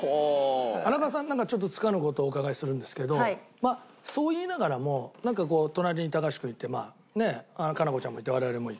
荒川さんなんかちょっとつかぬ事をお伺いするんですけどそう言いながらもなんかこう隣に高橋君いてまあね佳菜子ちゃんもいて我々もいて。